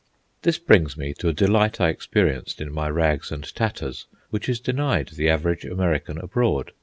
This brings me to a delight I experienced in my rags and tatters which is denied the average American abroad.